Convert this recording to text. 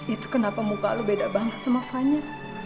itu kenapa muka lo beda banget sama fine